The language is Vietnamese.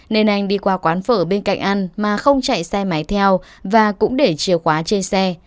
nên anh đi qua quán phở bên cạnh ăn mà không chạy xe máy theo và cũng để chìa khóa trên xe